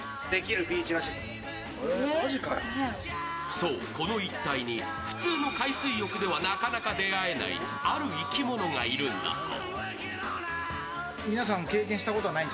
そう、この一帯に普通の海水浴ではなかなか出会えないある生き物がいるんだそう。